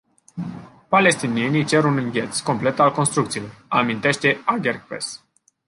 Palestinienii cer un îngheț complet al construcțiilor, amintește Agerpres.